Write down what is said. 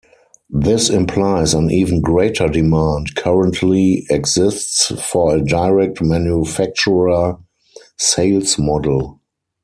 This implies an even greater demand currently exists for a direct manufacturer sales model.